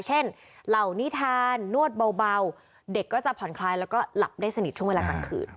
เหล่านิทานนวดเบาเด็กก็จะผ่อนคลายแล้วก็หลับได้สนิทช่วงเวลากลางคืน